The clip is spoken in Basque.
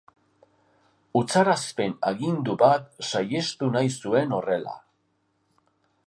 Utzarazpen agindu bat saihestu nahi zuen horrela.